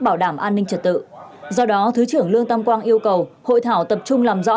bảo đảm an ninh trật tự do đó thứ trưởng lương tam quang yêu cầu hội thảo tập trung làm rõ